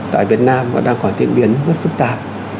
tại việt nam đang khỏi tiễn biến rất phức tạp